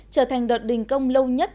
trở thành đợt đình công lâu nhất